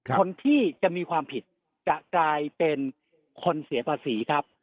คนที่จะมีความผิดจะกลายเป็นคนเสียภาษีครับ